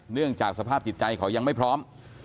เนื่องจากสภาพจิตใจเขายังไม่พร้อม